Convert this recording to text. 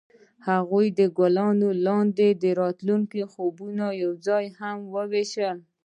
هغوی د ګلونه لاندې د راتلونکي خوبونه یوځای هم وویشل.